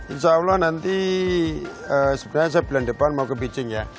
insya allah nanti sebenarnya saya bulan depan mau ke beijing ya